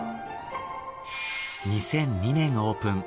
２００２年オープン。